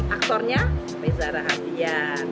aktornya reza rahadian